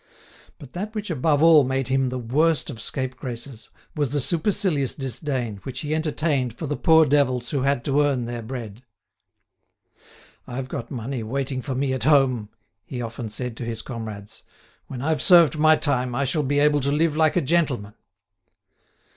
But that which above all made him the worst of scapegraces was the supercilious disdain which he entertained for the poor devils who had to earn their bread. "I've got money waiting for me at home," he often said to his comrades; "when I've served my time, I shall be able to live like a gentleman."